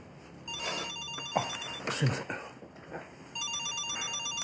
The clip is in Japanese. あっすいません。